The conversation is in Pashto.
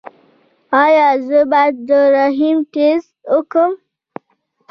ایا زه باید د رحم ټسټ وکړم؟